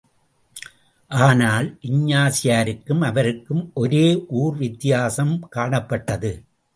ஆனால் இஞ்ஞாசியாருக்கும் அவருக்கும் ஒரே ஓர் வித்தியாசம் காணப்பட்டது.